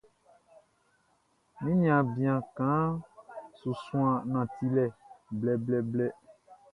Mi niaan bian kaanʼn su suan nantilɛ blɛblɛblɛ.